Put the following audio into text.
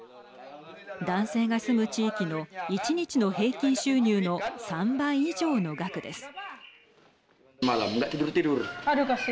男性が住む地域の１日の平均収入の３倍以上の額です。